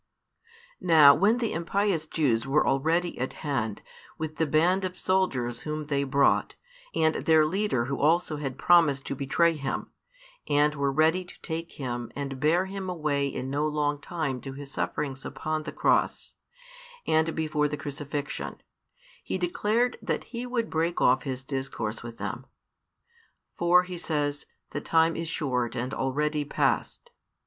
Now when the impious Jews were already at hand, with the band of soldiers whom they brought, and their leader who also had promised to betray Him, and were ready to take Him and bear Him away in no long time to His sufferings upon the cross, and before the Crucifixion, He declared that He would break off His discourse with them. For, He says, the time is short and already past.